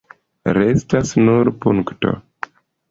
Restas nur punkto.